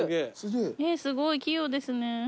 えっすごい器用ですね。